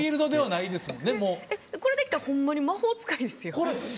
これ、できたらほんまに魔法使いですよ。